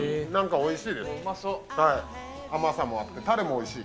おいしい！